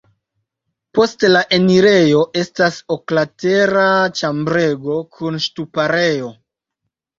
Post la enirejo estas oklatera ĉambrego kun ŝtuparejo.